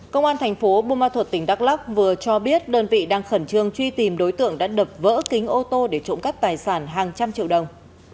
công an thành phố bumathut tỉnh đắk lóc vừa cho biết đơn vị đang khẩn trương truy tìm đối tượng đã đập vỡ kính ô tô để trộm cắt tài sản hàng trăm triệu đồng